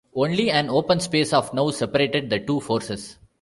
Only an open space of now separated the two forces.